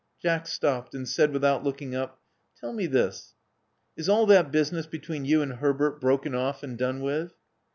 Jack stopped, and said without looking up: Tell me this. Is all that business between you and Herbert broken off and done with?"